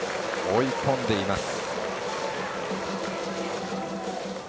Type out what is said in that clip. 追い込んでいます。